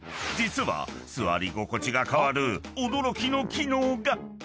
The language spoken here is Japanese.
［実は座り心地が変わる驚きの機能が！］